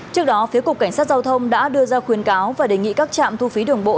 trước đó phía cục cảnh sát giao thông đã đưa ra khuyến cáo và đề nghị các trạm thu phí đường bộ